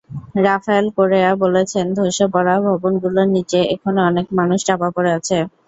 Rafael Correa বলেছেন, ধসে পড়া ভবনগুলোর নিচে এখনো অনেক মানুষ চাপা পড়ে আছে।